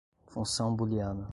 função booliana